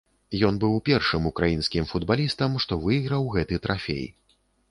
Ён быў першым украінскім футбалістам, што выйграў гэты трафей.